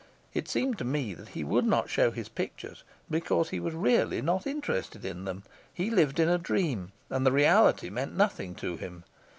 It seemed to me that he would not show his pictures because he was really not interested in them. He lived in a dream, and the reality meant nothing to him.